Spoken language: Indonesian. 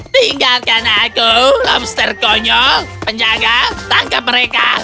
tinggalkan aku lobster konyol penjaga tangkap mereka